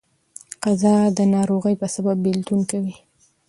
قضا د ناروغۍ په سبب بيلتون کوي.